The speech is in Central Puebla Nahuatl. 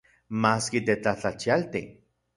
Maski tetlajtlachialti.